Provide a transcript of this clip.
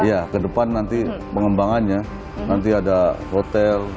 iya kedepan nanti pengembangannya nanti ada hotel